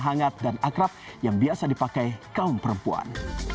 hangat dan akrab yang biasa dipakai kaum perempuan